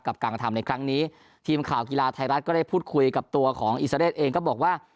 กับการกระทำในครั้งนี้ทีมข่าวกีฬาไทยรัฐก็ได้พูดคุยกับตัวของอิสราเดชเองก็บอกว่า